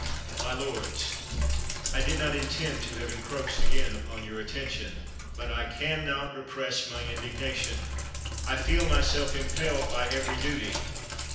My lords, I did not intend to have encroached again upon your attention, but I can not repress my indignation. I feel myself impelled by every duty.